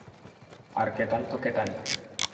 আর ক্যাটান তো ক্যাটান-ই।